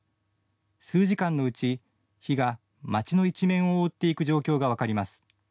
数時間のうち、火が街の一面を覆っていく状況が分かります。